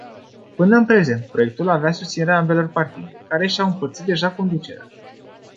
Până în prezent, proiectul avea susținerea ambelor partide, care și-au împărțit deja conducerea.